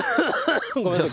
ごめんなさい。